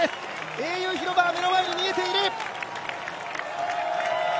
英雄広場は目の前に見えている！